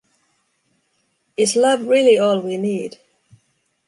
Is love really all we need?